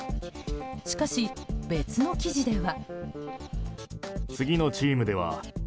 しかし、別の記事では。